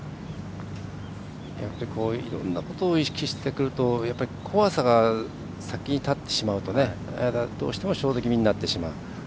いろんなことを意識してくると怖さが先に立ってしまうとどうしてもショート気味になってしまう。